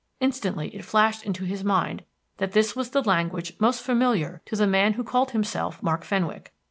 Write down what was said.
Instantly it flashed into his mind that this was the language most familiar to the man who called himself Mark Fenwick.